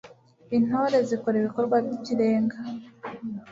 intore zikora ibikorwa by'ikirenga